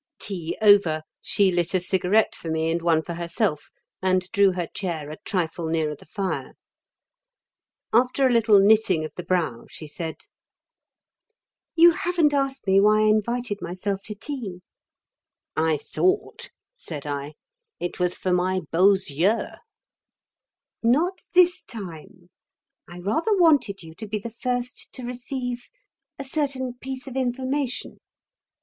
Tea over, she lit a cigarette for me and one for herself and drew her chair a trifle nearer the fire. After a little knitting of the brow, she said: "You haven't asked me why I invited myself to tea." "I thought," said I, "it was for my beaux yeux." "Not this time. I rather wanted you to be the first to receive a certain piece of information."